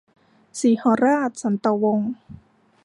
สีหราช สันตะวงศ์